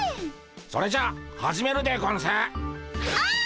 それじゃ始めるでゴンス。